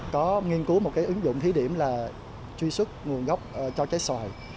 có nghiên cứu một cái ứng dụng thí điểm là truy xuất nguồn gốc cho trái xoài